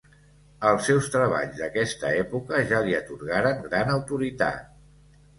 Els seus treballs d'aquesta època ja li atorgaren gran autoritat.